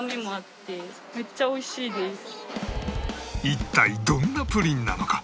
一体どんなプリンなのか？